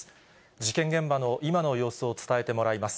事件現場の今の様子を伝えてもらいます。